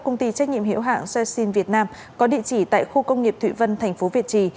công ty trách nhiệm hiệu hạng seacin việt nam có địa chỉ tại khu công nghiệp thụy vân tp việt trì